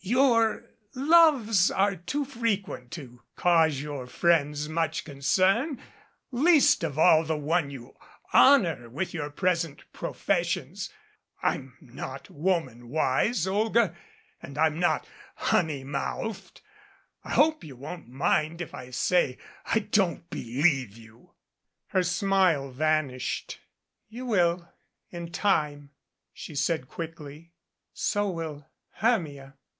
"Your loves are too frequent to cause your friends much concern least of all the one you honor with your present professions. I'm not woman wise, Olga. And I'm not honey mouthed. I hope you won't mind if I say I don't believe you." Her smile vanished. "You will in time," she said quickly. "So will Hermia."